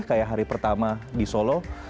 kayak hari pertama di solo